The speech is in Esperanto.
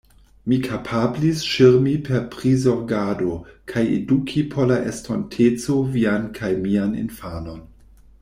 Mi kapablis ŝirmi per prizorgado kaj eduki por la estonteco vian kaj mian infanon!